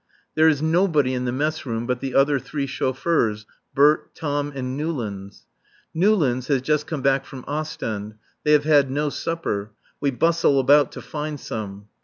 There is nobody in the mess room but the other three chauffeurs, Bert, Tom and Newlands. Newlands has just come back from Ostend. They have had no supper. We bustle about to find some.